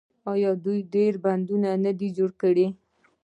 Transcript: آیا دوی ډیر بندونه نه دي جوړ کړي؟